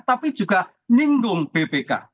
tapi juga nyinggung bpk